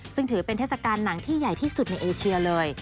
ซึ่งถือเป็นเทศกาลหนังที่ใหญ่ที่สุดในเอเชียเลย